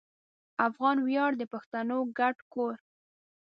افغان ویاړ د پښتنو ګډ کور